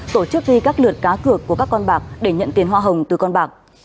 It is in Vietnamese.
tổ chức ghi các lượt cá cược của các con bạc để nhận tiền hoa hồng từ con bạc